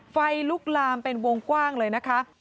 ไฟลุกลามเป็นวงกว้างเลยนะคะ